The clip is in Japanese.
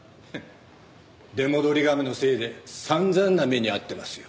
出戻り亀のせいで散々な目に遭ってますよ。